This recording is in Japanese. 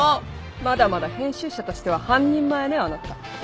まだまだ編集者としては半人前ねあなた。